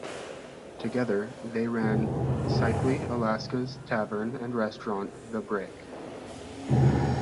Together they ran Cicely, Alaska's tavern and restaurant, The Brick.